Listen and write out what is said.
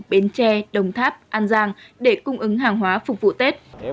bến tre đồng tháp an giang để cung ứng hàng hóa phục vụ tết